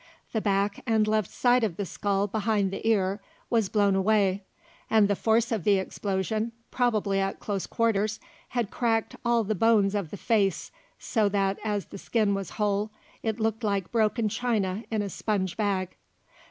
The back and left side of the skull behind the ear was blown away, and the force of the explosion, probably at close quarters, had cracked all the bones of the face so that as the skin was whole, it looked like broken china in a sponge bag.